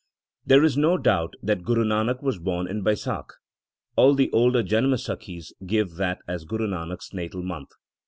There is no doubt that Guru Nanak was born in Baisakh. All the older Janamsakhis give that as Guru Nanak s natal month.